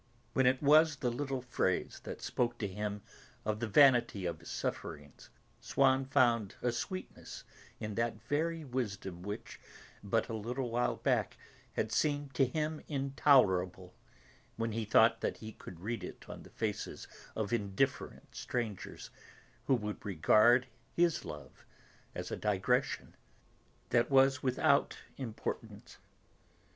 When it was the little phrase that spoke to him of the vanity of his sufferings, Swann found a sweetness in that very wisdom which, but a little while back, had seemed to him intolerable when he thought that he could read it on the faces of indifferent strangers, who would regard his love as a digression that was without importance.